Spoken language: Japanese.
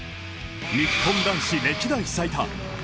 日本男子歴代最多。